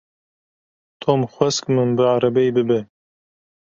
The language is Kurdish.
Tom xwest ku min bi erebeyê bibe.